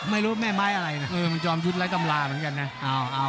แม่ไม้อะไรนะเออมันจอมยุทธ์ไร้ตำราเหมือนกันนะ